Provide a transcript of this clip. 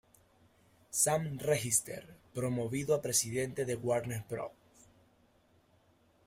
Sam Register, promovido a presidente de Warner Bros.